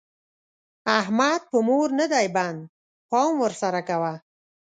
احمد په مور نه دی بند؛ پام ور سره کوه.